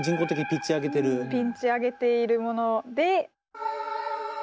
ピッチ上げているもので。